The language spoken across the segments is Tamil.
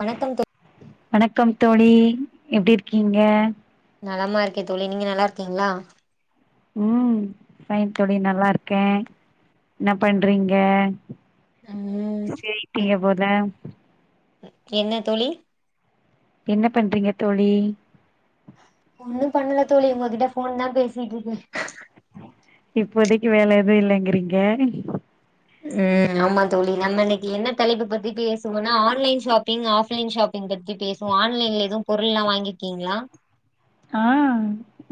வணக்கம் தோ வணக்கம் தோழி எப்டி இருக்கீங்க நலமா இருக்கே தோழே நீங்க நல்லா இருக்கீங்களா ம் ஃபைன் தோழி நல்லா இருக்கே என்ன பண்றீங்க ம் பிசி ஆயிட்டீங்க போல என்ன தோழி என்ன பண்றீங்க தோழி ஒண்ணு பண்ணல தோழி உங்ககிட்ட ஃபோன் தா பேசிகிட்டு இருக்கே இப்போதைக்கு வேல எது இல்லங்கறீங்க ம் ஆமா தோழி நம்ம இன்னிக்கி என்ன தலைப்பு பத்தி பேசுவோன்னா ஆன்லைன் ஷாப்பிங் ஆஃப்லைன் ஷாப்பிங் ங்கத்தி பேசுவோ ஆன்லைன்ல எதுவ் பொருள்ல்லா வாங்கிருக்கீங்களா ஆ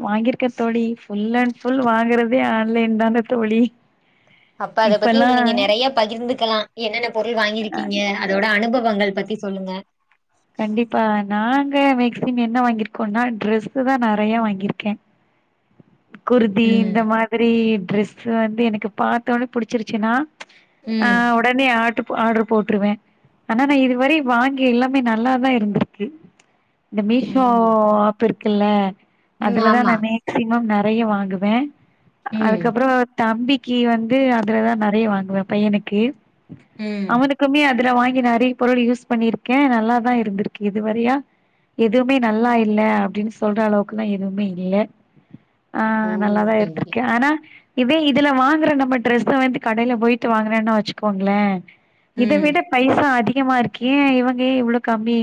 வாங்கியிருக்க தோழி ஃபுல் அண்ட் ஃபுல் வாங்கறதே ஆன்லைன் தான தோழி அப்ப அத பத்தி இப்பல்லா நீங்க நெறைய பகிர்ந்துக்கலா என்னென்ன பொருள் வாங்கிருக்கீங்க அதோட அனுபவங்கள் பத்தி சொல்லுங்க கண்டிப்பா நாங்க மேக்சிமம் என்ன வாங்கியிருக்கோன்னா டிரெஸ்சு தா நெறைய வாங்கிருக்கே குர்தி இந்த ம் மாதிரி டிரெஸ் வந்து எனக்கு பாத்தோனே புடிச்சிருச்சுன்னா ஆ ம் ஒடனே ஆர்ட் ஆர்ட்ரு போட்டுருவே ஆனா நா இது வரை வாங்கி எல்லா மே நல்லாதா இருந்திருக்கு இந்த மீஷோ ம் ஆப் இருக்குல்ல ம் அதுலதா ஆமா நா மேக்சிமம் நெறைய வாங்குவே ம் அதுக்கப்றோ தம்பிக்கி வந்து அதுலதா நெறைய வாங்குவே பையனுக்கு ம் அவனுக் க்குமே அதல வாங்கி நெறைய பொருள் யூஸ் பண்ணியிருக்கே நல்லாதா இருந்திருக்கு இது வரையா எதுவுமே நல்லா இல்ல அப்டின் சொல்ற அளவுக்குலா எதுவுமே இல்ல ஆ ஓ நல்லாதா ஓகே ஓகே இருந்திருக்கே ஆனா இதே இதல வாங்கற நம்ம டிரெஸ்ஸ வந்து கடைல போயிட்டு வாங்குறேனா வச்சுகோங்ளே இத ம் விடப் பைசா அதிகமா இருக்கே இவுங்க ஏ இவ்ளோ கம்மி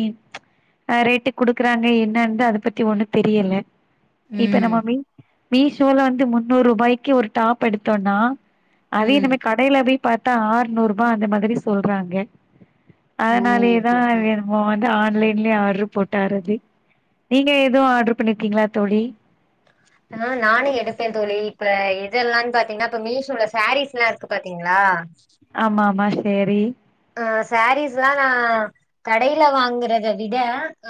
அ ரேட்டுக் குடுக்றாங்க என்னன்தா அதப்பத்தி ஒன்னுந் தெரியல இப்ப ம் நம்ம மீ மீஷோல வந்து முன்னூர் ருபாய்க்கு ஒரு டாப் எடுத்தோன்னா அதே ம் இனமேக் கடைல போய் பாத்தா ஆர்நூருபா அந்த மாதிரி சொல்றாங்கே ஓ அதனாலயேர் ஓகே ஓகே நம்ம வந்து ஆன்லைன்லியே ஆர்ட்ரு போட்டாறது நீங்க எதுவு ஆர்ட்ரு பண்ணிருக்கீங்ளாத் தோழி ஆ நானு எடுப்பேந் தோழி இப்ப இதெல்லான் பாத்தீங்னா இப்ப மீஷோல சாரீஸ்லா இருக்கு பாத்தீங்ளா ஆமா மா சேரி அ சாரீஸ்லா நா கடைல வாங்றத விட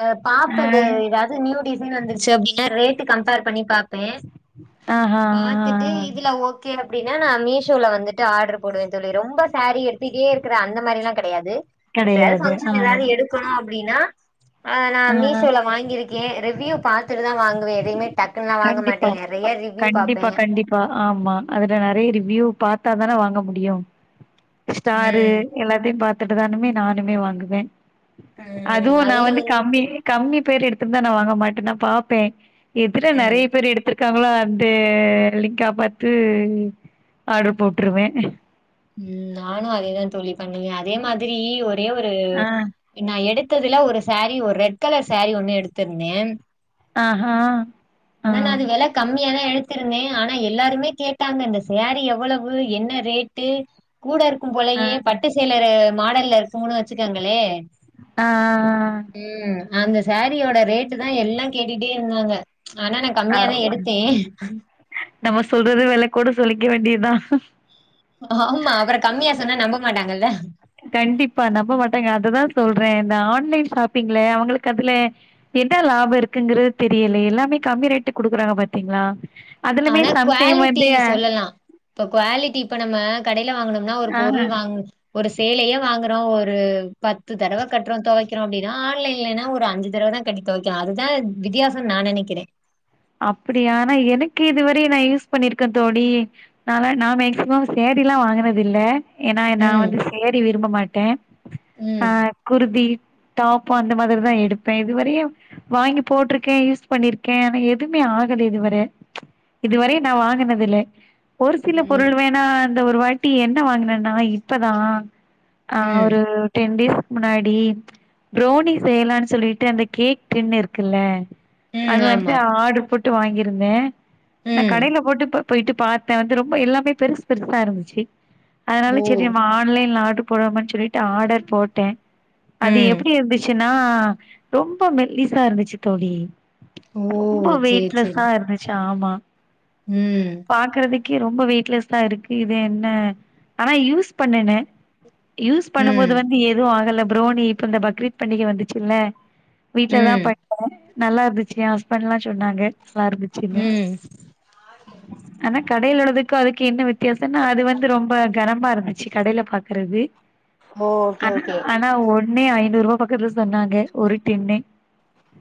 அப் ஆ பாத்தவே எதாது நியூ டிசைன் வந்துருச்சு அப்டினா ரேட்டு் கம்பேர் பண்ணி பாத் தே ஆஹா பாத்துட்டு இதுல ஓக் கே அப்டினா நா மீஷோல வந்துட்டு ஆர்ட்ரு போடுவே தோழி ரொம்ப சாரி எடுத்துட்டே இருக்ற அந்தம் மேரிலாங் கெடையாது எப்பையாது கெடையாது ஆ ஃபங்ஷன் எதாவது எடுப் க்கனு அப்டினா அ நா ஆ ஆ. மீஷோல வாங்கிருக்கே ரெவ்யூ பாத்துட்டுதா வாங்குவே எதையுமே டக்குன்லா வாங்க மாட்டே நெறைய ரிவ்யூ பாப்பே ப்ப ஆமா அதுல நெறைய ரிவ்யூ பாத்தாதான வாங்க முடியு ஸ்டாரு ம் எல்லாத்தையும் பாத்துட்டுதானுமே நானுமே வாங்குவே ம் அதுவு நா அதுல வந்து கம்மி கம்மி பேர் எடுத்துதிருந்த நா வாங்க மாட்டே நா பாப்பே பிர ம் நெறைய பேர் எடுத்துர் காங்ளான்ட்டு லிங்காபாத்து ஆர்ட்ரு போட்ருவே ம் நானு அதேதாந் தோழி பண்ணுவே அதே மாதிரி ஒரே ஒரு ஆ நா எடுத்ததுல ஒரு சாரி ஒரு ரெட் கலர் சாரி ஒன்னு எடுத்திருந்தே ஆஹா அ ஆனா நா அது வெல கம்மியாதா எடுத்திருந்தே ஆனா எல்லாருமே கேட்டாங்க இந்த சாரி எவ்வளவு என்ன ரேட் ட்டு கூட இருக்கும் ஆ போலயே பட்டு சேலர மாடல்ல இருக்கும்னு வச்சுகேங்களே அ அ அ அ ம் அந்த சாரியோடா ரேட்டு்தா எல்லாங் கேட்டுட்டே இருந்தாங்க ஆனா நாங் ஆ கம்மியாதா ஆ எடுத்தே நம்ம சொல்றது வெலக்கூட சொல்லிக்க வேண்டியதா ஆமா அப்றோ கம்மியா சொன்னா நம்ப மாட்டாங்கல்ல கண்டிப்பா நம்ப மாட்டாங்க அததா சொல்றே இந்த ஆன்லைன் ஷாப்பிங்ல அவங்களுக்கு அதுல என்ன லாபோ இருக்குங்கறது தெரியல எல்லாமே கம்மி ரேட்டுக் குடுக்கறாங்க பாத்தீங்ளா ஆனா குவாலிட்டி சொல்லலா இப்ப குவாலிட்டி இப்ப நம்ம கடைல வாங்ணும்னா ஒரு ஆ பொருள் வாங்கு ஒரு சேலையே வாங்கறோ ஒரு பத்து தடவக் கட்றோ தொவைக்றோ அப்டினா ஆன்லைன்- இல்லைனா ஒரு அஞ்சு தரவதா கட்டி தொவைக்லா அதுதா வித்தியாசன் நா நெனைக்றே அப்டியா! ஆனா எனக்கு இதுவரை நா யூஸ் பண்ணிருக்கேந் தோடி நாலா நா மேக்சிமம் சாரிலா வாங்கனது இல்ல ஏனா நா ம் வந்து சேரி விரும்ப மாட்டே ஆ ம் குருதி டாப் அந்த மாரிதா எடுப்ப இதுவரையு வாங்கி போட்டிருக்கேன் யூஸ் பண்ணிருக்கேன் ஆனா எ எதுமே ஆகல இதுவரை இதுவரை நா வாங்கினது இல்ல ஒரு சில ம் பொருள் வேணா அந்த ஒரு வாட்டி என்ன வாங்கினன்னா இப்பதான் ஆ ம் ஒரு டென் டேஸ்க்கு முன்னாடி ப்ரோனி செய்யலான்னு சொல்லிட்டு அந்த கேக் டின் இருக்கல்ல ம் அது வந்து ஆமா ஆர்டர் போட்டு வாங்கிருந்தேன் நா ம் கடைல போட்டு இப்ப போய்ட்டு பாத்த வந்து ரொம்ப எல்லாமே பெருசு பெருசா இருந்துச்சு அதனால ஓ சரி நம்ம ஆன்லைன்ல ஆர்டர் போலாமான் சொல்லிட்டு ஆர்டர் போட்டேன் அது ம் எப்டி இருந்துச்சு னா ரொம்ப மெல்லிஸா இருந்துச்சு தோழி ஓ ரொம்ப சேரி சேரி வெயிட்லெஸ்ஸா இருந்துச்சு ஆமா ம் பாக்கறதுக்கே ரொம்ப வெயிட்லெஸ்ஸா இருக்கு இது என்ன ஆனா யூஸ் பண்ணுனே யூஸ் பண்ணும்போது ம் வந்து எதுவு ஆகல ப்ரோனி இப்ப இந்த பக்ரீத் பண்டிகை வந்துச்சுல்ல வீட்லதா ம் பண்ணோ நல்லா இருந்துச்சு என் ஹஸ்பண்ட் எல்லா சொன்னாங்க நல்லா இருந்துச்சுன்னு ம் ஆனா கடைல உள்ளதுக்கு அதுக்கு என்ன வித்தியாசனா அது வந்து ரொம்ப கனமா இருந்துச்சு கடைல பாக்கறது ஓ ஓகே ஆனா ஓகே ஆனா ஒண்ணே ஐநூறு ரூவா பக்கத்துல சொன்னாங்க ஒரு டின்னே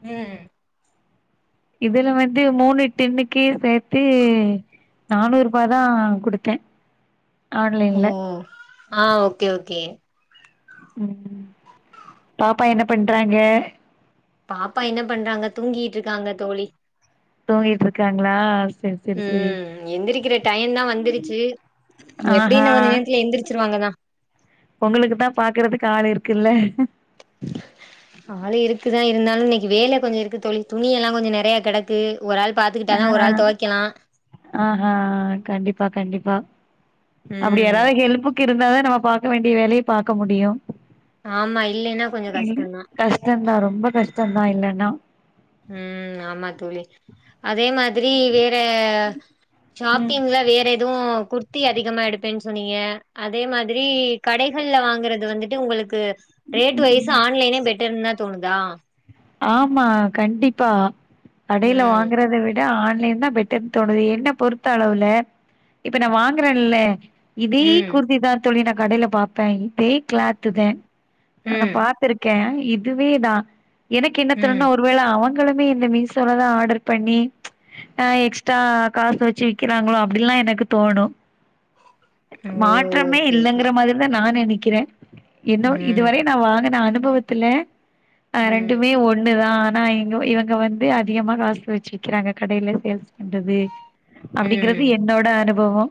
ம் இதுல வந்து மூணு டின்னுக்கு சேத்து நானூறு ரூபாதா குடுத்த ஓ ஆன்லைன்ல ஆ ஓகே ஓகே ம் பாப்பா என்ன பண்றாங்க? பாப்பா என்ன பண்றாங்க தூங்கிட்டு இருக்காங்க தோழி தூங்கிட்டு இருக்காங்ளா செரி செரி செரி ம் எந்திரிக்கிற டைம்தா வந்துருச்சு ஆஹா எப்டின் கொஞ்ச நேரத்துல எந்திரிச்சிருவாங்கதா உங்களுக்குதா பாக்கறதுக்கு ஆள் இருக்கல்ல ஆளு இருக்குதான் இருந்தாலு இன்னைக்கு வேல கொஞ்சோ இருக்கு தோழி துணி எல்லா கொஞ்சோ நெறையா கிடக்கு ஒரு ஆள் பாத்துகிட்டாதா ஒரு ஆ ஆள் துவைக்கலா ஆஹா கண்டிப்பா கண்டிப்பா அப்டி ம் யாராது ஹெல்ப்புக்கு இருந்தாதாதா நம்ம பாக்க வேண்டிய வேலய பாக்க முடியு ஆமா இல்லைனா கொஞ்சோ கஷ்டந்தான் கஷ்டந்தான் ரொம்ப கஷ்டந்தான் இல்லனா ம் ஆமா தோழி அதே மாதிரி வேற ம் ஷாப்பிங்ல வேற எதுவு கு ர்த்தி அதிகமா எடுப்பேன்னு சொன்னீங்க அதே மாதிரி கடைகள்ல வாங்கறது வந்துட்டு உங்களுக்கு ரேட் ம் வைஸ் ம் ஆன்லைனே பெட்டர்னுதான் தோணுதா ஆமா கண்டிப்பா கடைல ம் வாங்கறத விட ஆன்லைன்தான் பெட்டர்னு தோணுது என்ன பொறுத்த அளவுல இப்ப நா வாங்கறன்னல்ல இதே ம் குர்திதான் தோழி நா கடைல பாப்பேன் இதே கிளாத்துதேன் ஆனா ம் பா த்திருக்கேன் இதுவேதா எனக்கு ம் என்னத்தோணுன்னா ஒரு ஒருவேள அவுங்களுமே இந்த மீசோலதான் ஆர்டர் பண்ணி ஆஹ் எக்ஸ்ட்ரா காசு வச்சு விக்கிறாங்களோ அப்டின்ல்லா எனக்கு தோணும் ஓ மாற்றமே ஓகே ஓகே இல்லங்கற மாதிரிதா நா நனைக்கிற என்னோ இதுவரை ம் நா வாங்குன அனுபவத்துல ஆ ரெண் ம் ஒண்ணுதா ஆனா இங்க இவங்க வந்து அதிகமா காசு வச்சு விக்கிறாங்க கடைல சேல்ஸ் பண்றது அப்டிங்கறது ம் என்னோட அனுபவ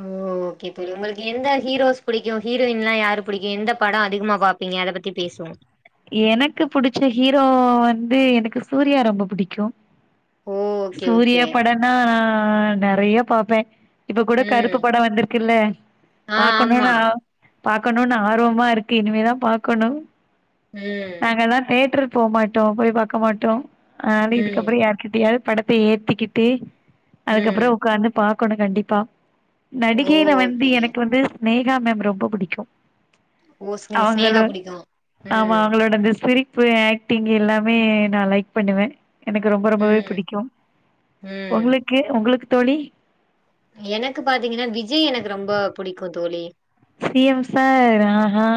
ஒ ஓகே இப்போ உங்களுக்கு எந்த ஹீரோஸ் புடிக்கு ஹீரோயின்லா யாரு புடிக்கு எந்த படம் அதிகமா பாப்பீங்க அத பத்தி பேசுவோ எனக்கு புடிச்ச ஹீரோ வந்து எனக்கு சூர்யா ரொம்ப புடிக்கும் ஓ ஓகே ஓகே சூரியா படனா நெறைய பாப்ப இப்பக்கூட ம் கருப்பு பட வந்திருக்குல்ல ஆ ஆமா பாக்கணும்ன்னு ஆ பாக்கணுனு ஆர்வமா இருக்கு இனிமேதா பாக்கணு ம் நாங்களா தேட்ரு போமாட்டோ போய் பாக்க மாட்டோ அதுனால ம் இதுக்கப்பற யா்கிட்ட யாவுது படத்த ஏத்திக்கிட்டு அதுக்கப்ற ம் உக்காந்து பாக்கணு கண்டிப்பா ஓ நடிகைல வந்து ஓகே எனக்கு வந்து சினேகா மேம் ரொம்ப புடிக்கு ஓ ஸ்னே அவங்கள ஸ்னேகா புடிக்கு ஆமா ம் அவங்ளோட இந்த சிரி இப்ப ஆக்டிங் எல்லாமே நா லைக் பண்ணுவ எனக்கு ரொம்ப ரொம்பவே ம் புடிக் ம் ஒங்ளுக்கு ஒங்ளுக்கு தோழி எனக்கு பாத்தீங்கனா விஜய் எனக்கு ரொம்ப புடிக்கு தோழி சிஎம் சார் ஆஹா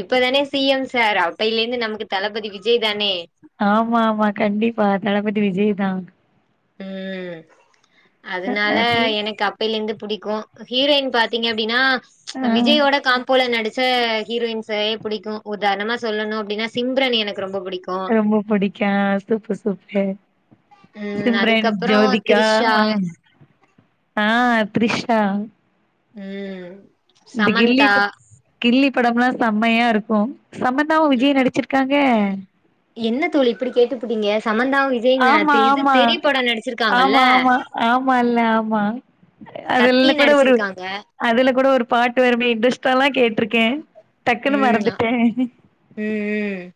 இப்பதான சிஎம் சார் அப்பேலிந்து நமக்கு தளபதி விஜய் தானே ஆமா ஆமா கண்டிப்பா தளபதி விஜய்தா ம் அதுனால அது எனக்கப் அப்பைலேருந்து புடிக்கு ஹீரோயின் பாத்தீங்க அப்டின்னா ஆ விஜயோட காம்ப்போல நடிச் ச்ச ஹீரோயின்ஸ்ஸயே புடிக்கு உதார்ணமா சொல்லணு அப்டின்னா சிம்ரன் எனக்கு ரொம்ப புடிக்கு ரொம்ப புடிக்கு சூப்பு சூப்பு ம் சிம்ரன் அதுக்கப்புறோ ஜோதிகா த்ரிஷா அவங்க ஆ த்ரிஷா ம் ந்த கில்லி சமந்தா ப கில்லி படம்ல்லா செம்மையா இருக்கு சமந்தாவு விஜயு நடிச்சிருக்காங்க என்ன தோழி இப்டி கேட்டுபுட்டீங்க சமந்தாவு வி ஆமா ஆமா ஆமா ஆமா ஆமால்ல ஆமா கத்தி அதுல்ல கூட ஒரு நடிச்சிருக்காங்க அதுல கூட ஒரு பாட்டு வருமே இன்ரெஸ்டால்லா கேட்ருக்கே டக்குன்னு ம் மறந்துட்ட ம் ம்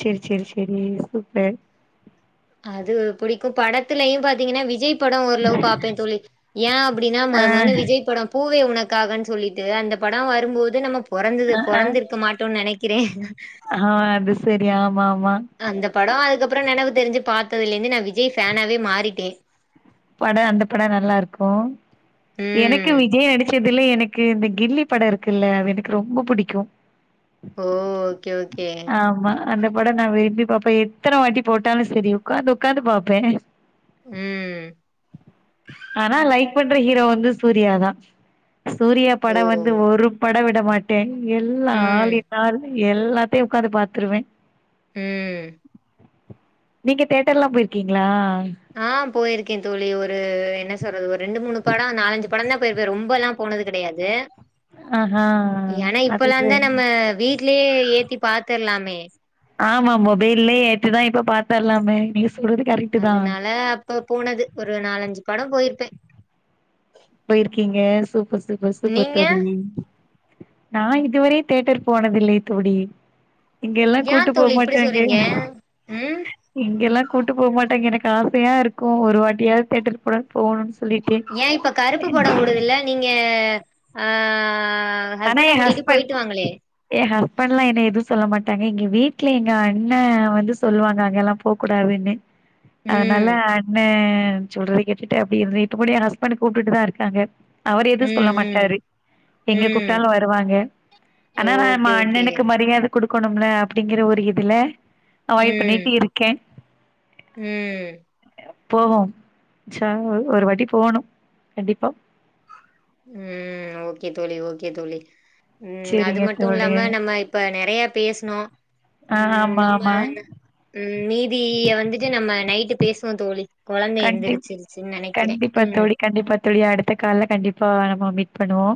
செரி செரி செரி சூப்பர் அது புடிக்கு படத்துலேயு பாத்தீங்கன்னா விஜய் படம் ஓரளவு பார்ப்ப தோழி ஏய அப்டின்னா மொத ஆ மொனு விஜய் படம் பூவே உனக்காகன்னு சொல்லிட்டு அந்த படம் வரும் போது நம்ம பொறந்தது ஆ ஆ பொறந்திருக்க மாட்டோன் நெனைக்கிற ஆ அது செரி ஆமா ஆமா அந்த பட அதுக்கப்ர நெனவு தெரிஞ்சு பார்த்ததுலேருந்து நா விஜய் ஃபேனாவே மாறிட்டே பட அந்த பட நல்லாருக்கு எனக் க்கு ம். விஜய் நடிச்சதுல எனக்கு இந்த கில்லி படோ இருக்குல்ல அது எனக்கு ரொம்ப புடிக்கு ஓ ஓக்கே ஓக்கே ஆமா அந்த படோ நா விரும்பி பாப்பே எத்தனவாட்டி போட்டாலு செரி உட்காந்து உட்காந்து பாப்பே ம் ஆனா லைக் பண்ற ஹீரோ வந்து சூர்யா தா சூர்யா ஓ! படொ வந்து ஒரு படொ விடமாட் டென் எல்லா ம். ஆல் இன் ஆல் எல்லாத்தை உக்காந்து பாத்துருவே ம் நீங்க தேட்டர்லா போய்ர்க்கிங்ளா ஆ போயிருக்கே தோழி ஒரு என்ன சொறது ஒரு ரெண்டு மூணு படோ நாலஞ்சு படந்தா போயிருப்ப ரொம்பலா போனது கடையாது ஆஹா. ஏன்னா அது இப்பல்லாந்தா சரி. நம்ம வீட் ட்லே ஏத்தி பாத்துர்லாமே ஆமா மொபைல்லே ஏத்துதா இப்ப பாத்தர்லாமே நீங்கஸ் சொல்லரது கரக் அதுனால அப்ப போனது ஒரு நாலஞ்சு படம் போயிர்ப்பே பொயிர்க்கீங்க சூப்பர் சூப்பர் சூப்பர் நீங்க தோழி நா இதுவரையு தேட்டர் போனதில்லே தோழி இங்கெல்லா ஏ கூட்டு தோழி இப்டி போமாட்டாங்க சொல்றீங்க ம் இங்கெல்லாம் கூட்டு போமாட்டாங்க எனக்கு ஆசையா இருக்கு ஒரு வாட்டியாவது தேட்டருக்கு போலா போணுன்னு சொல்லிட்டு ஏ இப்ப கருப்பு படம் ஓடுதுல்ல நீங்க ஆ ஹஸ் நா எ ஹஸ்பண் எ ஹஸ்பண்லா என்ன எது சொல்ல மாட்டாங்க எங்க வீட்டுல எங்க அண்ண வந்து சொல்லுவாங்க அங்கல்லாம் போகூடாதுன்னு அதனால ம் அண்ண சொல்றத கேட்டுட்டு அப்டே இருந்து இப்பகூட எ ஹஸ்பண்ட் கூப்டுட்டுதா இருக்காங்க அவர் எது சொல்ல ம் ம் மாட்டாரு எங்க கூப் ம் டாலு வருவாங்க ஆனா ஓகே நாம ஓகே அண்ணனுக்கு மரியாத குடுக்கணும்ல அப்டிங்கற ஒரு இதுல அவாய் ம் பண்ணீட்டு இருக்கே ம் போவோம் ஷாவு ஒரு வாட்டி போணு கண்டிப்பா ம் ஓக்கே தோழி ஓக்கே தோழி ம் அது சேரிங்க தோழி மட்டுல்லாம நம்ம இப் ப்ப நெறைய பேஸ்னோ ஆ ம் ஆமா நம்ம ஆமா ம் மீதிய வந்துட்டு நம்ம நைட்டு பேசுவோ தோழி கொலந்த கண்டிப் எந்திரிச்சிருச்சுன் நெனைக்கிறே கண்டிப்பா ம் தோழி கண்டிப்பா தோழி அடுத்த கால்ல கண்டிப்பா நம்ம மீட் பண்ணுவோ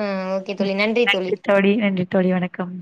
ம் ஓகே தோழி ம் நன்றி தோழி நன்றி தோழி வணக்கம்